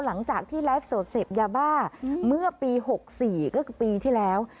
หลังจากที่ไลฟ์สดเสพยาบ้าเมื่อปี๖๔ก็คือปีที่แล้ว